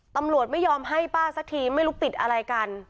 ตำรวจไม่ยอมให้ป้าสักทีไม่รู้ติดอะไรกัน